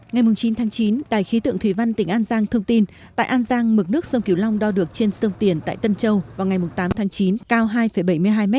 ngày chín tháng chín đài khí tượng thủy văn tỉnh an giang thông tin tại an giang mực nước sông kiều long đo được trên sông tiền tại tân châu vào ngày tám tháng chín cao hai bảy mươi hai m